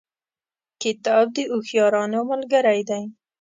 کتاب د هوښیارانو ملګری دی.